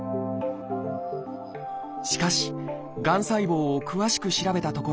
しかしがん細胞を詳しく調べたところ